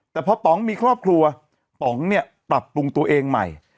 แต่พอป๋องมีครอบครัวป๋องเนี่ยปรับปรุงตัวเองใหม่